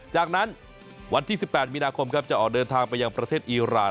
จากนั้นวันที่๑๘มีนาคมครับจะออกเดินทางไปยังประเทศอีราน